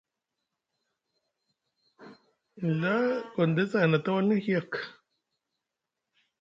Nɵa Gondes a hina tawalni hiyak.